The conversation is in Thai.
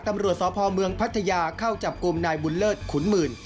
ตำรวจสพเมืองพัทยาเข้าจับกลุ่มนายบุญเลิศขุนหมื่น